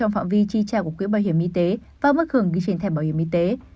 trong phạm vi chi trả của quỹ bảo hiểm y tế và mức hưởng ghi trên thẻ bảo hiểm y tế